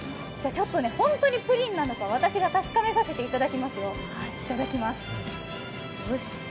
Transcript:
本当にプリンなのか、私が確かめさせていただきますよ。